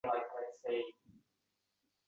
G’azab tufayli stress gormonlari yuqori bo‘ladi.